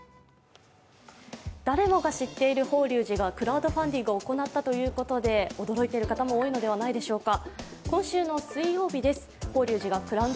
誰もが知っている法隆寺がクラウドファンディングを行ったということで驚いている方も多いのではないでしょうか。